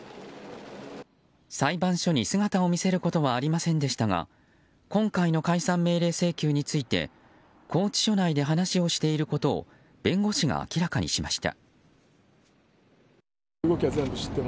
裁判所に姿を見せることはありませんでしたが今回の解散命令請求について拘置所内で話をしていることを弁護士が明らかにしました。